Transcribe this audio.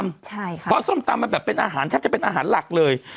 ใช่ค่ะเพราะส้มตำมันแบบเป็นอาหารแทบจะเป็นอาหารหลักเลย